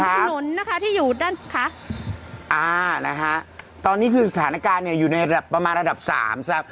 อ่านะคะตอนนี้คือสถานการณ์เนี่ยอยู่ในและประมาณระดับสามสาม